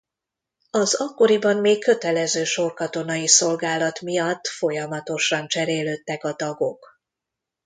Az akkoriban még kötelező sorkatonai szolgálat miatt folyamatosan cserélődtek a tagok.